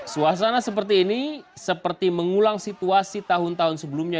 suasana seperti ini seperti mengulang situasi tahun tahun sebelumnya